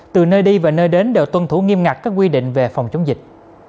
từ nơi đi và nơi đến đều tuân thủ nghiêm ngặt các quy định về phòng chống dịch